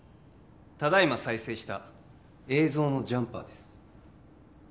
ただいま再生した映像のジャンパーです